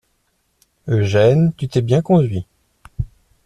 Eugène, tu t'es bien conduit.